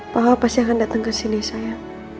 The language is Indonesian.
papa pasti akan dateng kesini sayang